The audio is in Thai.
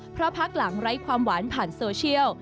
เพราะพักหลังไร้ความหวานผ่านโซเชียล